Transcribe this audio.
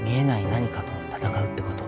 何かと闘うってこと。